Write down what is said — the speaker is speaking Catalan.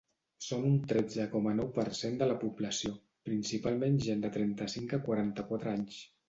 Són un tretze coma nou per cent de la població, principalment gent de trenta-cinc a quaranta-quatre anys.